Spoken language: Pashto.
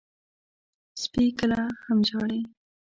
سپي کله هم ژاړي.